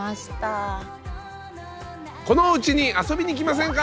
このおうちに遊びに来ませんか？